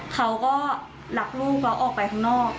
เขาก็หลับลูกเราออกไปข้างนอก